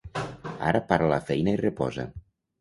Ara para la feina i reposa.